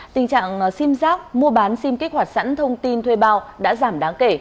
tình trạng sim giác mua bán sim kích hoạt sẵn thông tin thuê bao đã giảm đáng kể